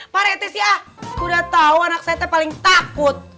paretes ya udah tau anak saya paling takut